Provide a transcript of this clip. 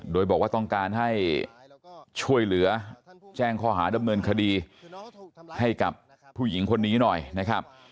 โดยบอกว่าต้องการให้ช่วยเหลือแจ้งข้อหาดำเนินคดีให้กับผู้หญิงคนนี้หน่อยนะครับ